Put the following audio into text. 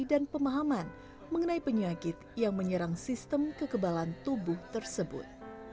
dan pemahaman mengenai penyakit yang menyerang sistem kekebalan tubuh tersebut